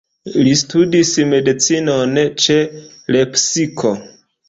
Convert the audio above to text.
Li studis medicinon ĉe Lepsiko.